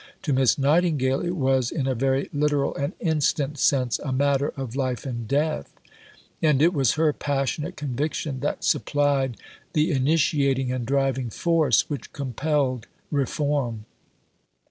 To Miss Nightingale it was, in a very literal and instant sense, a matter of life and death; and it was her passionate conviction that supplied the initiating and driving force which compelled reform.